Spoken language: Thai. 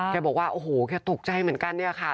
แกบอกว่าโอ้โหแกตกใจเหมือนกันค่ะ